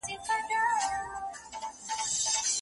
موږ به په کور کي تريخوالی نه رامنځته کوو.